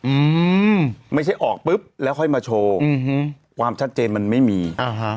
อืมไม่ใช่ออกปุ๊บแล้วค่อยมาโชว์อืมความชัดเจนมันไม่มีอ่าฮะ